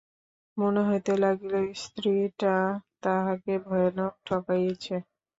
মনে হইতে লাগিল, স্ত্রীটা তাহাকে ভয়ানক ঠকাইয়াছে।